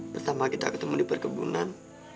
pertama kita ketemu di perkebunan